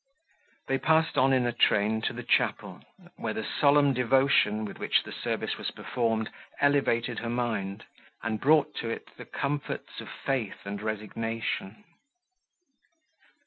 They passed on in a train to the chapel, where the solemn devotion, with which the service was performed, elevated her mind, and brought to it the comforts of faith and resignation.